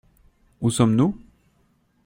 Où sommes-nous ?